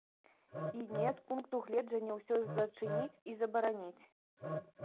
І не з пункту гледжання ўсё зачыніць і забараніць.